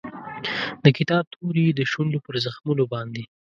د کتاب توري یې د شونډو پر زخمونو باندې